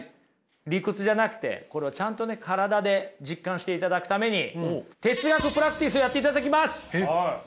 理屈じゃなくてこれをちゃんとね体で実感していただくために哲学プラクティスをやっていただきます。